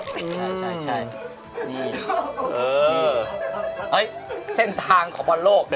คุณอย่าไปแข็งเลยผมได้